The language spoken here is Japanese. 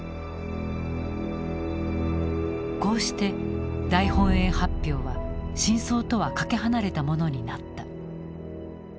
こうして大本営発表は真相とはかけ離れたものになった。